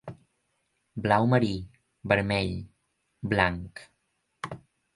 Blau marí, vermell, blanc.